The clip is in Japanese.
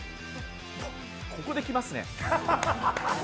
ここで来ますね。